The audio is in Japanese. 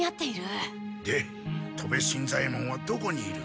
で戸部新左ヱ門はどこにいる？